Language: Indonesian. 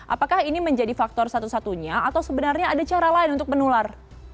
apakah ini menjadi faktor satu satunya atau sebenarnya ada cara lain untuk menular